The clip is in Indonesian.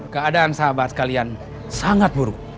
keadaan sahabat kalian sangat buruk